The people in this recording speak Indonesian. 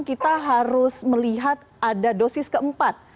kita harus melihat ada dosis keempat